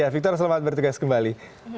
victor selamat bertugas kembali